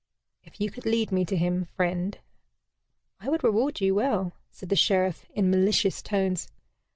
"If you could lead me to him, friend, I would reward you well," said the Sheriff, in malicious tones.